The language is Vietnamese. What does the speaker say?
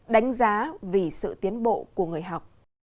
đánh giá vì sự tiến bộ của người học